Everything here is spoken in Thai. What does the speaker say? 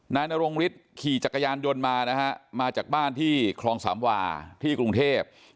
นายนรงฤทธิ์ขี่จักรยานยนต์มานะฮะมาจากบ้านที่คลองสามวาที่กรุงเทพ